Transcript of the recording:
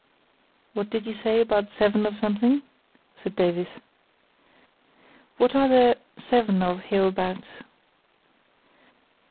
"What did you say about seven of something?" said Davies. "What are there seven of hereabouts?"